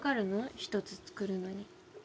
一つ作るのに。